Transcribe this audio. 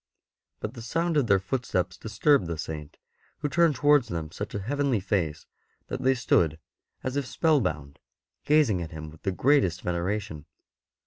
But the sound of their footsteps disturbed the Saint, who turned towards them such a heavenly face that they stood as if spellbound, gazing at him with the greatest veneration.